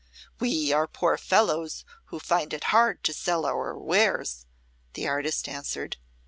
"We are poor fellows who find it hard to sell our wares," the artist answered.